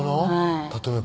例えば？